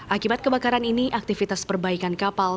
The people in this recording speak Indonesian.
akibat kebakaran ini aktivitas perbaikan kapal